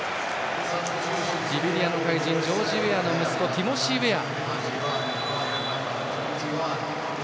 リベリアの怪人ジョージ・ウェアの息子ティモシー・ウェア。